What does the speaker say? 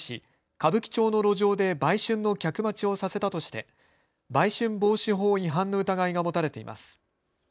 歌舞伎町の路上で売春の客待ちをさせたとして売春防止法違反の疑いが持たれています。